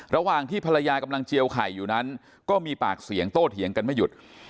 ระหว่างที่ภรรยากำลังเจียวไข่อยู่นั้นก็มีปากเสียงโต้เถียงกันไม่หยุด